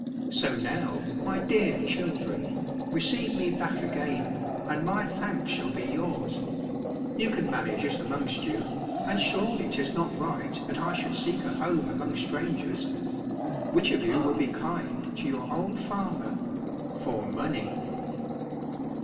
So now, my dear children, receive me back again, and my thanks shall be yours. You can manage it amongst you, and surely 'tis not right that I should seek a home among strangers ! Which of you will be kind to your old father — for money